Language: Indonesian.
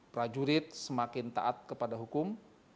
prajurit semakin taat kepada hukum